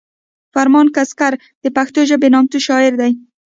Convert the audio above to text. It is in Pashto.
فرمان کسکر د پښتو ژبې نامتو شاعر دی